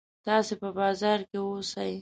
تاسې په بازار کې اوسئ.